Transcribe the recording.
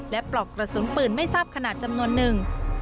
และปลอกกระสุนปืนไม่ทราบขนาดจำนวนหนึ่ง